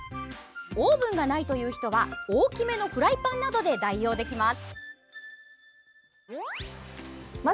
オーブンがないという人は大きめのフライパンなどで代用できます。